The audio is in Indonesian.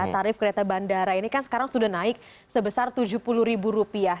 tarif kereta bandara ini kan sekarang sudah naik sebesar tujuh puluh ribu rupiah